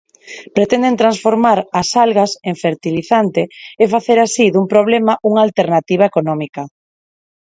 Pretenden transformar as algas en fertilizante e facer así dun problema unha alternativa económica.